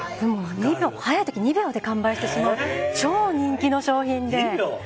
早い時、２秒で完売してしまう超人気の商品で。